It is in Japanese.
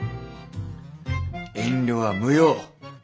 遠慮は無用。